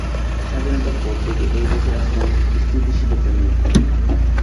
স্বাধীনতার পর থেকে এই দেশে রাজনৈতিক স্থিতিশীলতা নেই